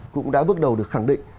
cũng đã bước đầu được khẳng định